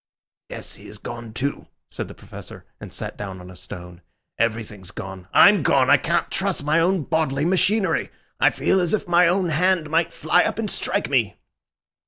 "Yes, he is gone too," said the Professor, and sat down on a stone. "Everything's gone. I'm gone! I can't trust my own bodily machinery. I feel as if my own hand might fly up and strike me."